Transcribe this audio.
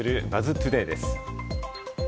トゥデイです。